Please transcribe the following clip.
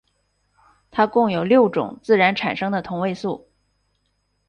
它共有六种自然产生的同位素。